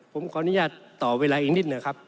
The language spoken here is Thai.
ผมขออนุญาตต่อเวลาอีกนิดหน่อยครับ